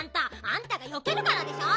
あんたがよけるからでしょ？